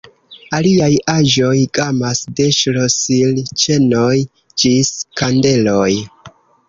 Aliaj aĵoj gamas de ŝlosilĉenoj ĝis kandeloj.